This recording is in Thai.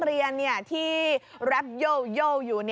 เพราะว่านักเรียนที่แร็ปโยวอยู่